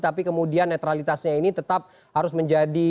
tapi kemudian netralitasnya ini tetap harus menjadi